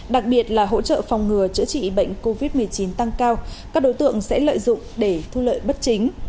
đặc biệt là hỗ trợ phòng ngừa chữa trị bệnh covid một mươi chín tăng cao các đối tượng sẽ lợi dụng để thu lợi bất chính